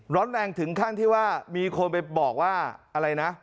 ร้อนแรงถึงขั้นที่ว่ามีคนไปบอกว่าอะไรนะ